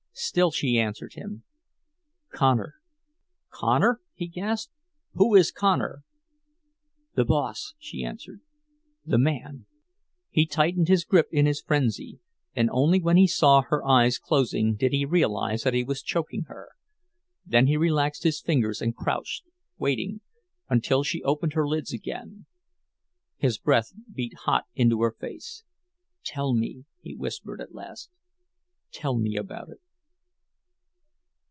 Still she answered him, "Connor." "Connor," he gasped. "Who is Connor?" "The boss," she answered. "The man—" He tightened his grip, in his frenzy, and only when he saw her eyes closing did he realize that he was choking her. Then he relaxed his fingers, and crouched, waiting, until she opened her lids again. His breath beat hot into her face. "Tell me," he whispered, at last, "tell me about it."